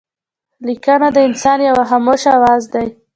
لیکنه د انسان یو خاموشه آواز دئ.